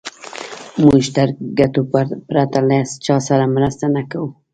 موږ تر ګټو پرته له چا سره مرسته نه کوو.